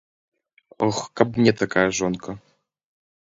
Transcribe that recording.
Ох, каб мне такая жонка!